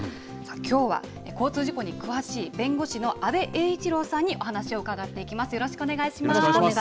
きょうは、交通事故に詳しい弁護士の阿部栄一郎さんにお話を伺っていきます。